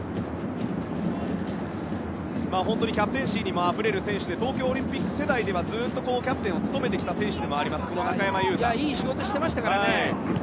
本当にキャプテンシーにもあふれる選手で東京オリンピック世代ではずっとキャプテンを務めてきたいい仕事してましたから。